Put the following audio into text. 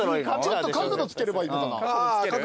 ちょっと角度つければいいのかな。